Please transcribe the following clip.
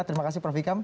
terima kasih prof ikam